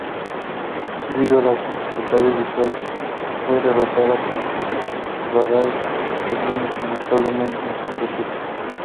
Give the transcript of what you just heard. Debido a las dificultades visuales, fue detonada por radar, desviándose notablemente de su objetivo.